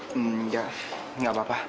hmm ya nggak apa apa